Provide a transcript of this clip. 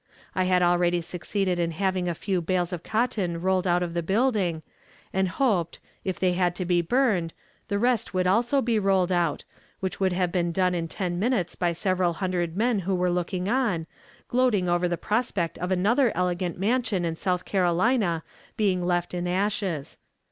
I had already succeeded in having a few bales of cotton rolled out of the building, and hoped, if they had to be burned, the rest would also be rolled out, which could have been done in ten minutes by several hundred men who were looking on, gloating over the prospect of another elegant mansion in South Carolina being left in ashes.